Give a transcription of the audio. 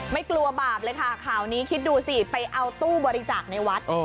ไม่กลัวบาปเลยค่ะข่าวนี้คิดดูสิไปเอาตู้บริจาคในวัด